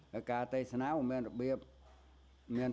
vào các dịp lễ lớn hay các dịp lễ cầu an